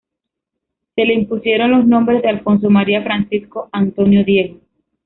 Se le impusieron los nombres de Alfonso María Francisco Antonio Diego.